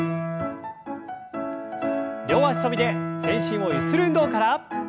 両脚跳びで全身をゆする運動から。